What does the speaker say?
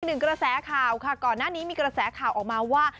หนึ่งกระแสข่าวค่ะก่อนหน้านี้มีกระแสข่าวออกมาว่า